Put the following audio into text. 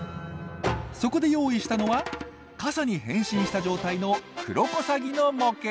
そこで用意したのは傘に変身した状態のクロコサギの模型！